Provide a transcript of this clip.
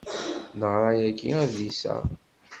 Neɣra yagi adlis-a.